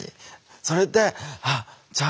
それで「あっじゃあいいや。